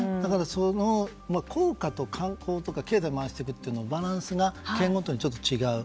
その効果と、観光とか経済を回していくのにバランスが県ごとに違う。